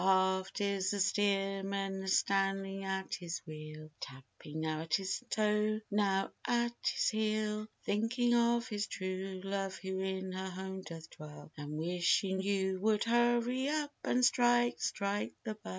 Aft is the steersman a standing at his wheel Tapping now at his toe now at his heel; Thinking of his true love who in her home doth dwell And wishing you would hurry up and strike, strike the bell.